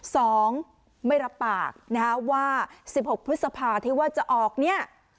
สองไม่รับปากนะฮะว่าสิบหกพฤษภาที่ว่าจะออกเนี่ย